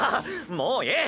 もういい！